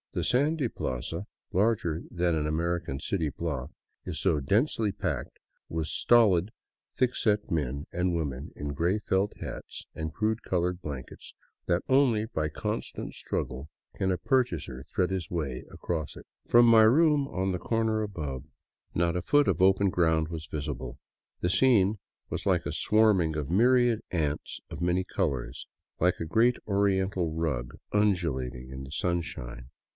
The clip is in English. The sandy plaza, larger than an American city block, is so densely packed with stolid thick set men and women in gray felt hats and crude colored blankets that only by constant struggle can a purchaser thread his way across it. From my room on the corner above, not a foot of open ground was visible. The scene was like a swarming of myriad ants of many colors ; like a great Oriental rug un dulating in the sunshine.